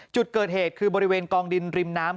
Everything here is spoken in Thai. จุดเกิดเหตุคือบริเวณกองดินริมน้ำ